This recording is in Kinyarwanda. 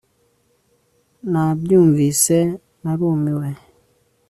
Nabyumvise narumiwe